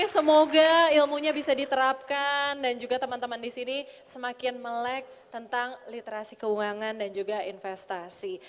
semoga ilmunya bisa diterapkan dan juga teman teman di sini semakin melek tentang literasi keuangan dan juga investasi